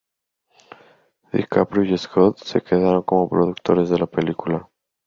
DiCaprio y Scott se quedaron como productores de la película.